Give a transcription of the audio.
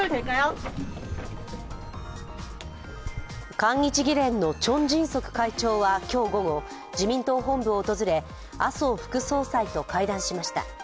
韓日議連のチョン・ジンソク会長は今日午後、自民党本部を訪れ麻生副総裁と会談しました。